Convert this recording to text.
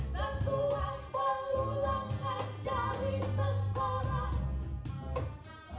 tentuang pelulungan jari tengkorak